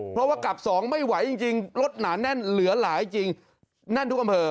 เพราะว่ากลับสองไม่ไหวจริงรถหนาแน่นเหลือหลายจริงแน่นทุกอำเภอ